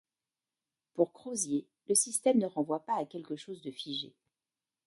Pour Crozier, le système ne renvoie pas à quelque chose de figé.